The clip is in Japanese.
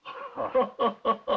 ハハハハハ。